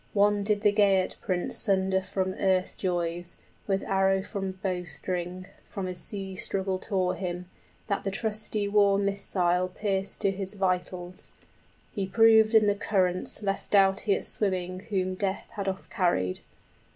One did the Geat prince Sunder from earth joys, with arrow from bowstring, 50 From his sea struggle tore him, that the trusty war missile {The dead beast is a poor swimmer} Pierced to his vitals; he proved in the currents Less doughty at swimming whom death had offcarried.